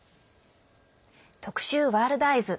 特集「ワールドＥＹＥＳ」。